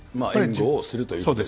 援護をするということですね。